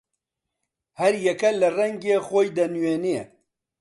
هەر یەکە لە ڕەنگێ خۆی دەنوێنێ